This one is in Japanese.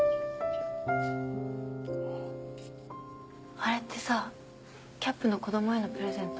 あれってさキャップの子供へのプレゼント？